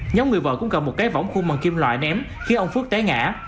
nhóm người vợ cũng cầm một cái vỏng khung bằng kim loại ném khiến ông phước té ngã